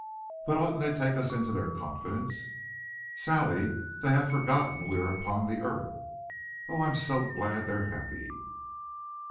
"But oughtn't they take us into their confidence?" "Sally, they have forgotten we are upon the earth." "Oh, I'm so glad they're happy!"